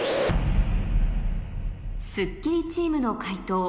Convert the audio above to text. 『スッキリ』チームの解答